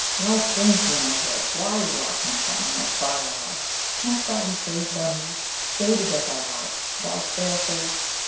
why came she in thy way, why, Ruark, my son, my fire eye? Canst thou be saved by me, fated that thou art, thou fair face?